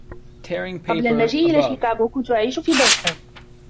قبل المجيء إلى شيكاغو كنت أعيش في بوستن.